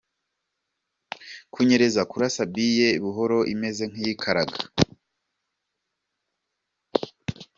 Kunyereza : kurasa biye buhoro imeze nk’iyikaraga.